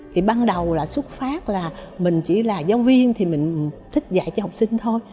thì ban đầu là xuất phát là mình chỉ là giáo viên thì mình thích dạy cho học sinh thôi